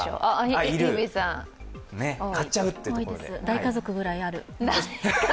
大家族ぐらいある。